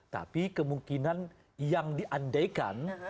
tapi kemungkinan yang diandaikan